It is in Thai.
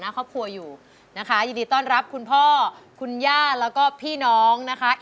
สวัสดีค่ะ